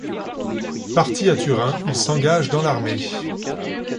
Parti à Turin, il s'engage dans l'armée.